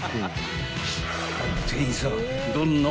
［店員さん］